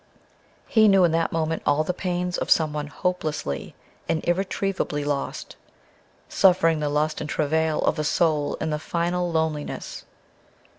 He knew in that moment all the pains of someone hopelessly and irretrievably lost, suffering the lust and travail of a soul in the final Loneliness.